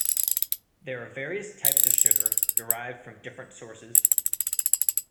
There are various types of sugar derived from different sources.